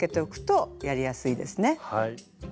はい。